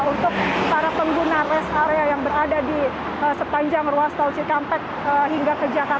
untuk para pengguna rest area yang berada di sepanjang ruas tol cikampek hingga ke jakarta